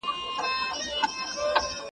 خو د کلیو په کوڅو کي سرګردان سو `